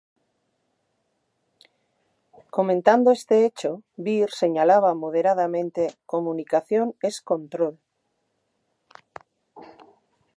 Comentando este hecho, Beer señalaba modestamente: ""Comunicación es control"".